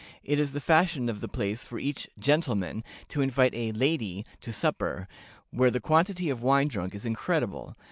It is the fashion of the place for each gentleman to invite a lady to supper, where the quantity of wine drunk is incredible.